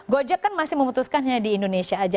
gojek kan masih memutuskannya di indonesia aja